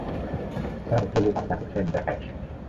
Sir, চলুন আপনাকে ক্ষেত দেখাই।